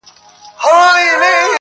په هوا به دي تر بله ډنډه یوسو -